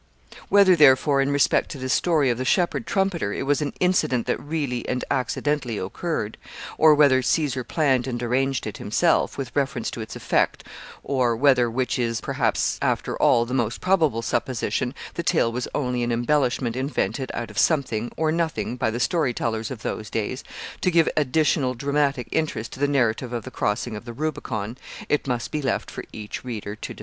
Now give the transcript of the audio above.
Whether, therefore, in respect to this story of the shepherd trumpeter, it was an incident that really and accidentally occurred, or whether Caesar planned and arranged it himself, with reference to its effect, or whether, which is, perhaps, after all, the most probable supposition, the tale was only an embellishment invented out of something or nothing by the story tellers of those days, to give additional dramatic interest to the narrative of the crossing of the Rubicon, it must be left for each reader to decide.